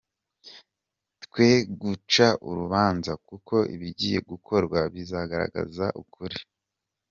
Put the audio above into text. Twe guca urubanza, kuko ibigiye gukorwa bizagaragaza ukuri.